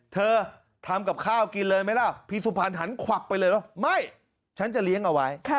เธอทำกับข้าวกินเลยไหมล่ะพี่สุพรรณหันขวักไปเลยว่าไม่ฉันจะเลี้ยงเอาไว้